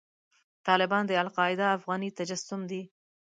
طالبان د القاعده افغاني تجسم دی.